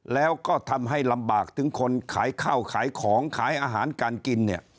แล้วก็ทำให้ลำบากถึงคนขายข้าวขายของขายอาหารการกินเนี่ย